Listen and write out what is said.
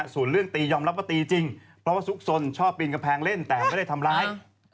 ส่วนเรื่องตียอมรับว่าตีจริงเพราะว่าซุกซนชอบปีนกำแพงเล่นแต่ไม่ได้ทำร้าย